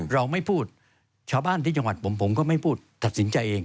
เราไม่พูดชาวบ้านที่จังหวัดผมผมก็ไม่พูดตัดสินใจเอง